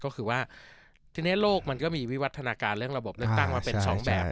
ก็คือว่าทีนี้โลกมันก็มีวิวัฒนาการเรื่องระบบเลือกตั้งมาเป็นสองแบบ